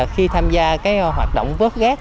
khi tham gia hoạt động vớt rác